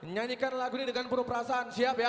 nyanyikan lagu ini dengan penuh perasaan siap ya